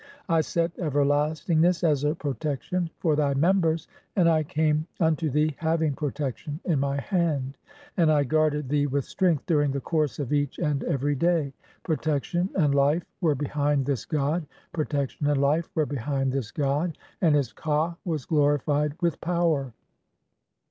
I set "everlastingness as a protection for thy members, and I came 342 THE CHAPTERS OF COMING FORTH BY DAY. "[unto thee] having protection (i3) in my hand, and I guarded "[thee] with strength during the course of each and every day ; "protection and life were behind this god, protection and life "were behind this god, and his ka was glorified with power."